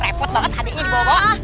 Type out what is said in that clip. repot banget adeknya dibawa bawa